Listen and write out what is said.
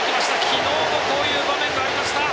昨日もこういう場面がありました。